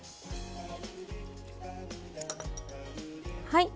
はい。